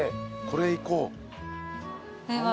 これいこう。